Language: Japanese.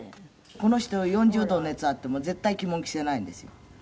「この人４０度の熱あっても絶対着物着せないんですよ」